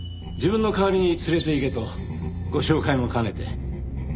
自分の代わりに連れて行けとご紹介も兼ねて。